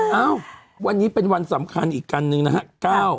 เอ้าวันนี้เป็นวันสำคัญอีกอันหนึ่งนะครับ